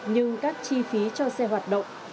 nhưng các chi phí cho xe hoạt động